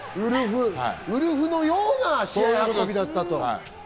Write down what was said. ウルフのような試合運びだったと。